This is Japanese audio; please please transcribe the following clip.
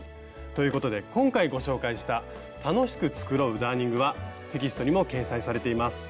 ということ今回ご紹介した「楽しく繕うダーニング」はテキストにも掲載されています。